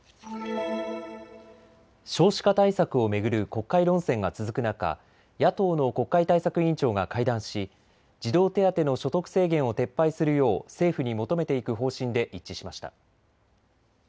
少子化対策を巡る国会論戦が続く中、野党の国会対策委員長が会談し児童手当の所得制限を撤廃するよう政府に求めていく方針で一致しました。